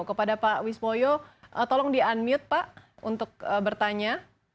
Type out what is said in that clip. kepada pak wismoyo tolong di unmute pak untuk bertanya